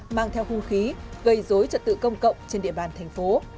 mang theo hung khí gây dối trật tự công cộng trên địa bàn thành phố